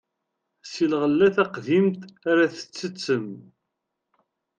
Si lɣella taqdimt ara tettettem.